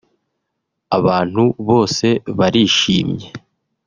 abantu bose barishimye